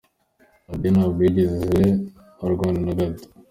"Radio ntabwo yigeze arwana na gato.